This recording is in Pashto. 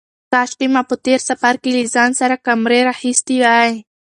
کاشکې ما په تېر سفر کې له ځان سره کمرې راخیستې وای.